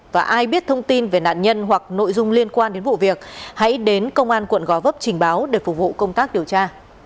và ai biết thông tin về nạn nhân hoặc nội dung liên quan đến vụ việc hãy đến công an quận gò vấp trình báo để phục vụ công tác điều tra